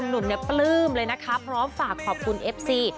หนุ่มเนี่ยปลื้มเลยนะคะพร้อมฝากขอบคุณเอฟซี